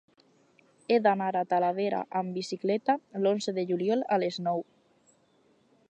He d'anar a Talavera amb bicicleta l'onze de juliol a les nou.